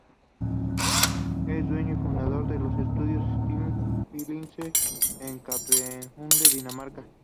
Es dueño y fundador de los estudios "Sweet Silence" en Copenhague, Dinamarca.